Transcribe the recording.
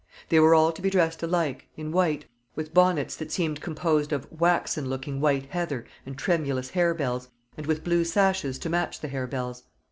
They were all to be dressed alike, in white, with bonnets that seemed composed of waxen looking white heather and tremulous harebells, and with blue sashes to match the harebells.